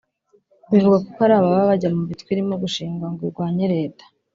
Bivuga ko hari ababa bajya mu mitwe irimo gushingwa ngo irwanye Leta